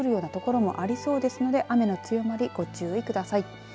激しく降るような所もありそうですので雨の強まりご注意ください。